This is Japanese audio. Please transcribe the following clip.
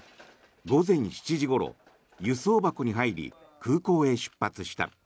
午前７時ごろ輸送箱に入り、空港へ出発した。